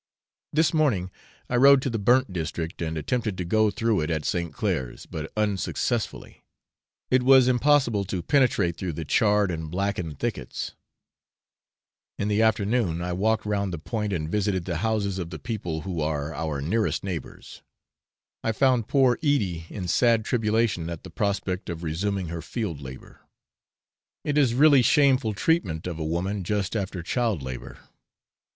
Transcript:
This morning I rode to the burnt district, and attempted to go through it at St. Clair's, but unsuccessfully: it was impossible to penetrate through the charred and blackened thickets. In the afternoon I walked round the point, and visited the houses of the people who are our nearest neighbours. I found poor Edie in sad tribulation at the prospect of resuming her field labour. It is really shameful treatment of a woman just after child labour.